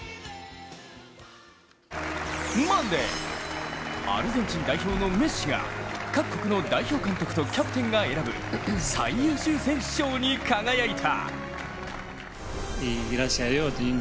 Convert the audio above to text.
マンデー、アルゼンチン代表のメッシが各国の代表監督とキャプテンが選ぶ最優秀選手賞に輝いた。